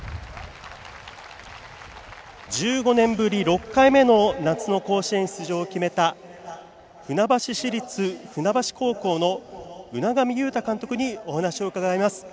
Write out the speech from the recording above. １５年ぶり６回目の夏の甲子園出場を決めた船橋市立船橋高校の海上雄大監督にお話を伺います。